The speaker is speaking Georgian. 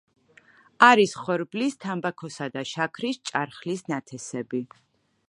არის ხორბლის, თამბაქოსა და შაქრის ჭარხლის ნათესები.